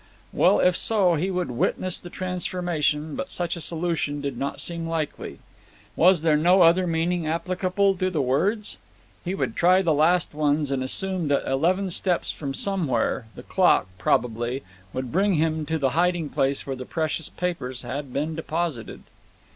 Well, if so, he would witness the transformation, but such a solution did not seem likely. Was there no other meaning applicable to the words? He would try the last ones and assume that eleven steps from somewhere, the clock, probably, would bring him to the hiding place where the precious papers had been deposited.